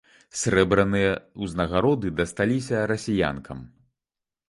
Срэбраныя ўзнагароды дасталіся расіянкам.